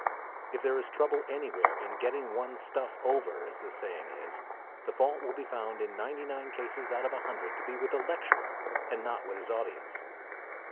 If there is trouble anywhere in "getting one's stuff over," as the saying is, the fault will be found in ninety nine cases out of a hundred to be with the lecturer, and not with his audience.